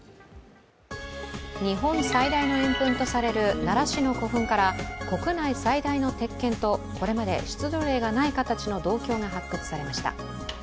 日本最大の円墳とされる奈良市の古墳から国内最大の鉄剣と、これまで出土例がない形の銅鏡が発掘されました。